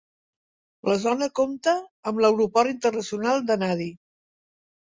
La zona compta amb l'aeroport internacional de Nadi.